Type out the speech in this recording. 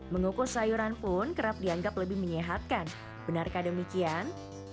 mengukus sayuran pun kerap dianggap lebih menyehatkan benarkah demikian